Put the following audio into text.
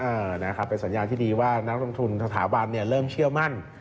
เออนะครับเป็นสัญญาณที่ดีว่านักลงทุนสถาบันเนี่ยเริ่มเชื่อมั่น